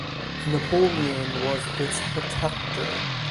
Napoleon was its "protector".